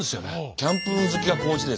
キャンプ好きが高じてですね。